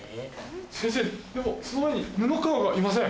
先生でもその前に布川がいません。